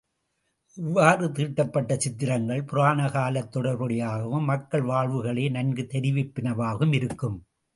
இவ்வாறு தீட்டப்பட்ட சித்திரங்கள், புராண காலத் தொடர்புடையனவாகவும், மக்கள் வாழ்வுகளே நன்கு தெரிவிப்பனவாகும் இருக்கும்.